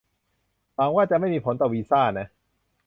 หวังว่าจะไม่มีผลต่อวีซ่านะ